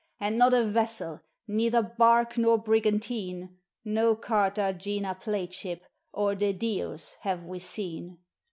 and not a vessel, neither barque nor brigantine! No Cartagena plate ship, or De Dios, have we seen.